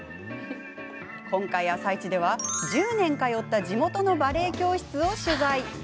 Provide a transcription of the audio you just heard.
今回「あさイチ」は１０年通った地元のバレエ教室を取材。